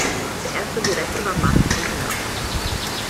Der erste Direktor war Max Rubner.